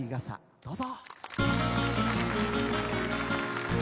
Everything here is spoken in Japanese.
どうぞ。